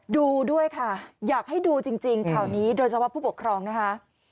ดูด้วยค่ะอยากให้ดูจริงข่าวนี้โดยเฉพาะผู้ปกครองนะคะ